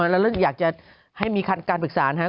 แล้วเรื่องอยากจะให้มีการปรึกษานะครับ